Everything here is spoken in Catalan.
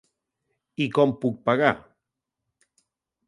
I com puc pagar?